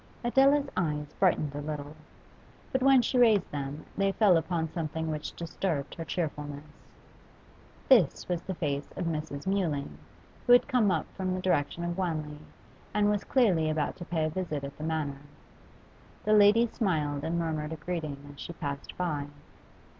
Adela's eyes brightened a little. But when she raised them, they fell upon something which disturbed her cheerfulness. This was the face of Mrs. Mewling, who had come up from the direction of Wanley and was clearly about to pay a visit at the Manor. The lady smiled and murmured a greeting as she passed by.